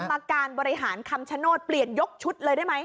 มาการบริหารคำชโนธเปลี่ยนยกชุดเลยได้ไหม